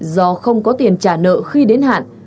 do không có tiền trả nợ khi đến hạn